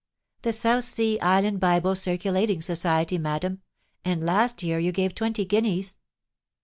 "The South Sea Island Bible Circulating Society, madam; and last year you gave twenty guineas."